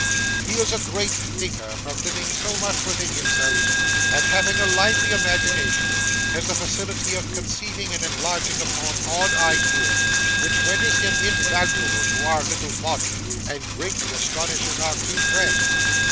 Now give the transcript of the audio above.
He is a great thinker from living so much within himself, and, having a lively imagination, has a facility of conceiving and enlarging upon odd ideas, which renders him invaluable to our little body, and greatly astonishes our two friends.